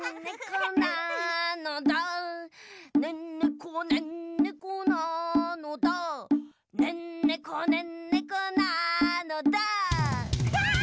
「ねんねこねんねこなのだねんねこねんねこなのだ」わあ！